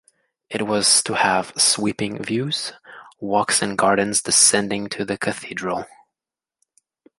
It was to have sweeping views, walks and gardens descending to the cathedral.